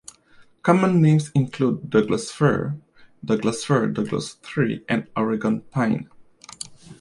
Common names include Douglas fir, Douglas-fir, Douglas tree, and Oregon pine.